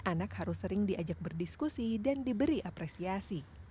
anak harus sering diajak berdiskusi dan diberi apresiasi